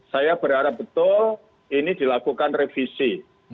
saya berharap betul ini dilakukan revisi